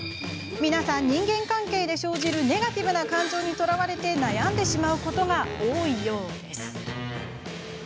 皆さん、人間関係で生じるネガティブな感情にとらわれて悩んでしまうことが多いようです。